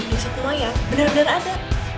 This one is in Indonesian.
desa kumayan benar benar ada